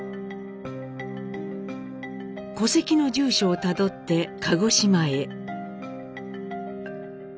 戸籍の住所をたどって鹿児島へ。